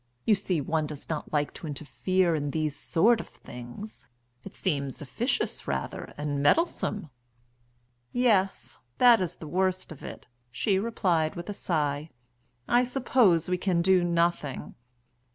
You see, one does not like to interfere in these sort of things. It seems officious rather, and meddlesome." "Yes, that is the worst of it," she replied, with a sigh. "I suppose we can do nothing.